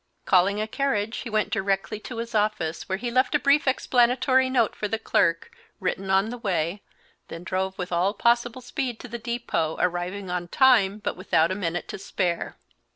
Calling a carriage, he went directly to his office, where he left a brief explanatory note for the clerk, written on the way, then drove with all possible speed to the depot, arriving on time but without a minute to spare.